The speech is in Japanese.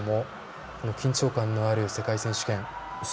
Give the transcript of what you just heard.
この緊張感のある世界選手権。